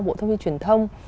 bộ thông tin truyền thông